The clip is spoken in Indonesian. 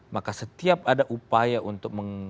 maka setiap ada upaya untuk